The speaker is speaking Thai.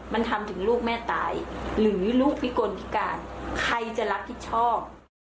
มันทำถึงลูกแม่ตายหรือลูกพิกลพิการใครจะรับผิดชอบ